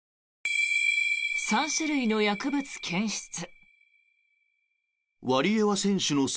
３種類の薬物検出。